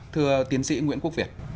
thưa tiến sĩ nguyễn quốc việt